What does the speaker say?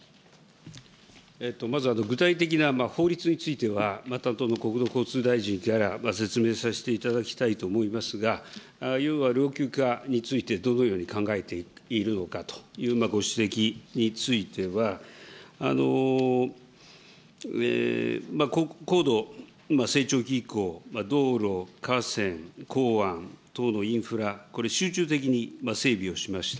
まず具体的な法律については、またあとで国土交通大臣から、説明させていただきたいと思いますが、要は老朽化についてどのように考えているのかというご指摘については、高度成長期以降、道路、河川、港湾等のインフラ、これ、集中的に整備をしました。